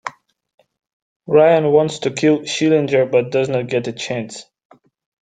Ryan wants to kill Schillinger, but does not get a chance.